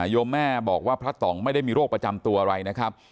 โยมแม่บอกว่าพระต่องไม่ได้มีโรคประจำตัวอะไรนะครับ